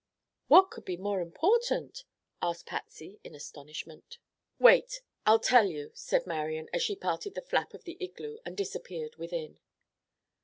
"What could be more important?" asked Patsy in astonishment. "Wait, I'll tell you," said Marian, as she parted the flap of the igloo and disappeared within.